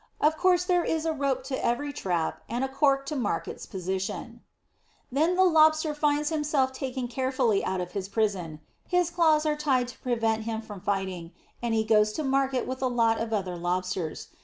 Of course, there is a rope to every trap, and a cork to mark its position. [Illustration: HERMIT CRAB WITH SEA FLOWERS.] Then the Lobster finds himself taken carefully out of prison; his claws are tied to prevent him from fighting, and he goes to market with a lot of other Lobsters.